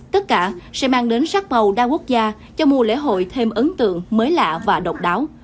tất cả sẽ mang đến sắc màu đa quốc gia cho mùa lễ hội thêm ấn tượng mới lạ và độc đáo